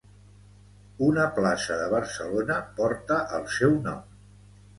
Una plaça de Barcelona porta el seu nom.